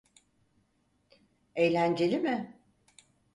Eğlenceli mi?